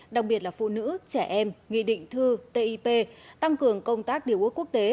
đặc biệt là phụ nữ trẻ em nghị định thư tip tăng cường công tác điều ước quốc tế